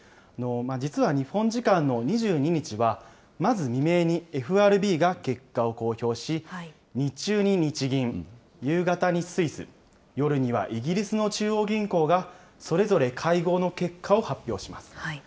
実は日本時間の２２日は、まず未明に、ＦＲＢが結果を公表し、日中に日銀、夕方にスイス、夜にはイギリスの中央銀行がそれぞれ会合の結果を発表します。